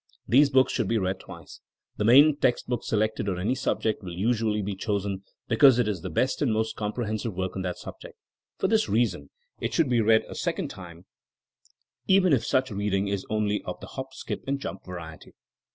These books should be read twice. The main text book selected on any subject will usually be chosen because it is the best and most com prehensive work on that subject. For this rea son it should be read a second time even if such reading is only of the hop, skip and jump variety.